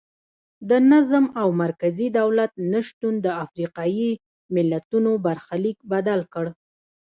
د نظم او مرکزي دولت نشتون د افریقایي ملتونو برخلیک بدل کړ.